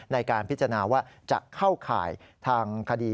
ในการพิจารณาว่าจะเข้าข่ายทางคดี